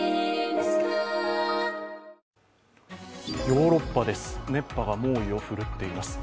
ヨーロッパで熱波が猛威を振るっています。